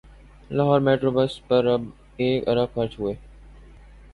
Lahore metro bus پر ارب خرچ ہوئے